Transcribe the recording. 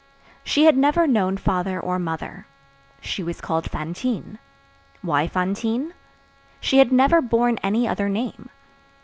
She had never known father or mother. She was called Fantine. Why Fantine? She had never borne any other name.